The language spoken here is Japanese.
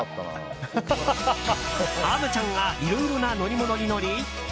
虻ちゃんがいろいろな乗り物に乗り